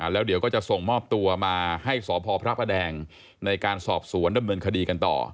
แล้วเดี๋ยวก็จะส่งมอบตัวมาให้สพพระประแดงในการสอบสวนดำเนินคดีกันต่อ